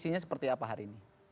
karena seperti apa hari ini